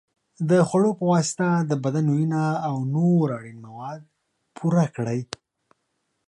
د خوړو په واسطه د بدن وینه او نور اړین مواد پوره کړئ.